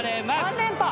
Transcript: ３連覇！？